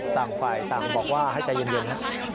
ต่างฝ่ายต่างบอกว่าให้ใจเย็นนะ